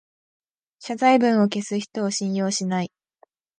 謝罪文を消す人を信用しない